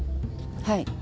はい。